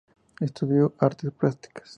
Estudió artes plásticas.